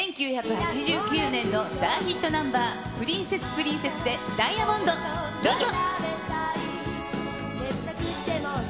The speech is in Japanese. １９８９年の大ヒットナンバー、プリンセスプリンセスでダイアモンド、どうぞ。